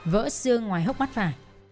vỡ xương ngoài hốc mắt phả